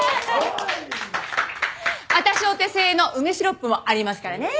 私お手製の梅シロップもありますからね。